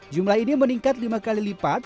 jumlah ini meningkat lima kali lipat